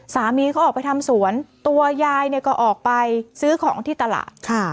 สามีเขาออกไปทำสวนตัวยายเนี่ยก็ออกไปซื้อของที่ตลาด